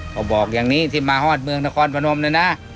เขาบอกอย่างนี้ที่มาฮอดเมืองนครพนมเนี่ยนะ